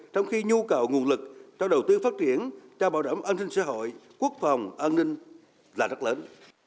trong khi nhu cầu nguồn lực cho đầu tư phát triển cho bảo đảm an sinh xã hội quốc phòng an ninh là rất lớn